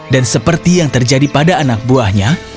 dan seperti yang terjadi pada anak buahnya